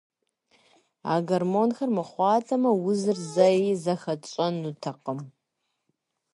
А гормонхэр мыхъуатэмэ, узыр зэи зыхэтщӏэнутэкъым.